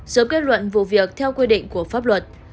số kết luận vụ việc theo quy định của pháp luật